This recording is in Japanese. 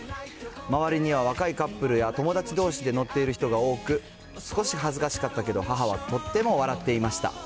周りには若いカップルや友達どうしで乗っている人が多く、少し恥ずかしかったけど、母はとっても笑っていました。